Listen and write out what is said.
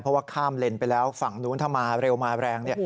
เพราะว่าข้ามเลนไปแล้วฝั่งนู้นถ้ามาเร็วมาแรง